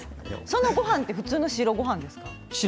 そのごはんは普通の白ごはんですか。